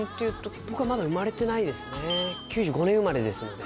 ９５年生まれですので。